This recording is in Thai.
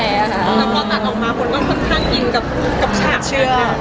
แล้วพอตัดออกมาผมก็ค่อนข้างอินกับชาติค่ะ